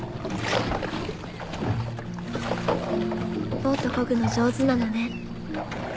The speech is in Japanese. ボートこぐの上手なのね。